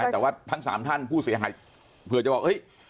แต่ว่าทั้ง๓ท่านผู้เสียหายเผื่อจะบอกเฮ้ย